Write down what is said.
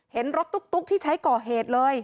เห็นรถตุ๊กที่ใช้ก่อเหตุเลย